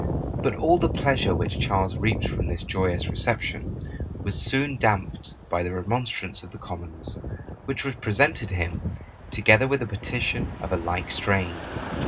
But all the pleasure which Charles reaped from this joyous reception, was soon damped by the remonstrance of the commons, which was presented him, together with a petition of a like strain.